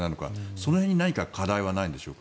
その辺に課題はないんでしょうか。